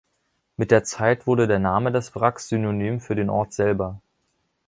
Mit der Zeit wurde der Name des Wracks Synonym für den Ort selber.